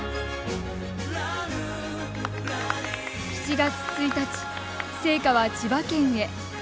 ７月１日、聖火は千葉県へ。